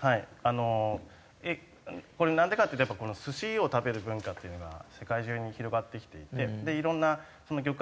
あのこれなんでかっていったら寿司を食べる文化っていうのが世界中に広がってきていていろんな魚介類が。